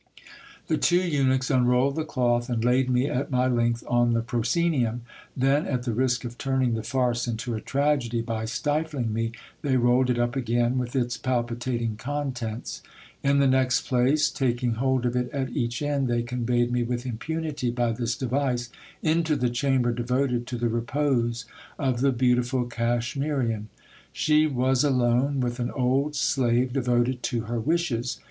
The two eunuchs unrolled the cloth, and laid me at my length on the pro scenium ; then, at the risk of turning the farce into a tragedy by stifling me, they rolled it up again, with its palpitating contents. In the next place, taking hold of it at each end, they conveyed me with impunity by this device into the chamber devoted to the repose of the beautiful Cashmirian. She was alone with an old slave devoted to her wishes.